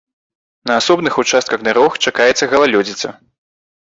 На асобных участках дарог чакаецца галалёдзіца.